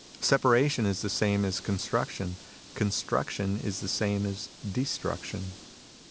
Separation is the same as construction : construction is the same as destruction.